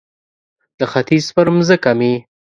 د ختیځ پر مځکه مې